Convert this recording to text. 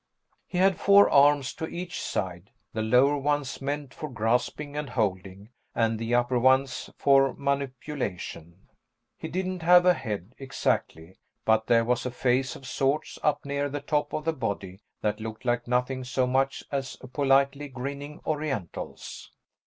He had four arms to each side, the lower ones meant for grasping and holding and the upper ones for manipulation. He didn't have a head, exactly, but there was a face of sorts up near the top of the body that looked like nothing so much as a politely grinning Oriental's.